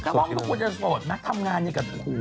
เขาบอก้นว่าจะโสดน่ะทำงานอย่างกับคุ้น